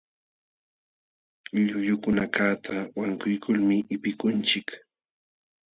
Llullukunakaqta wankuykulmi qipikunchik.